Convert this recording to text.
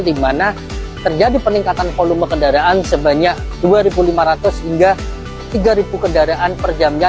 di mana terjadi peningkatan volume kendaraan sebanyak dua lima ratus hingga tiga kendaraan per jamnya